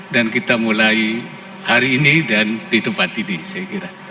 dan kita mulai hari ini dan di tempat ini saya kira